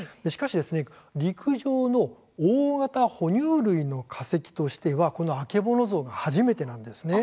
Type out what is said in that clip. しかし、陸上の大型哺乳類の化石としてはこのアケボノゾウが初めてなんです。